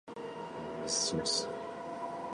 海辺でのんびり過ごす。